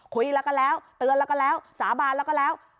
คุยแล้วก็แล้วเตือนแล้วก็แล้วสาบานแล้วก็แล้ว